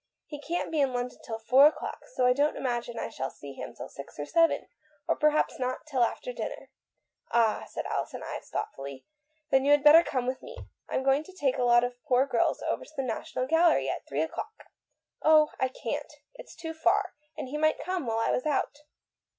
He can't be in London till four o'clock, so I don't imagine I shall see him till six or seven, or perhaps not till after dinner." '" Ah," said the elder woman thoughtfully, "then you had better come with me. I'm going to take a lot of poor girls over the National Gallery at three o'clock." "Oh, I can't. It's too far. And he might come while I was out."